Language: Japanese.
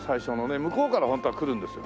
向こうからホントは来るんですよ。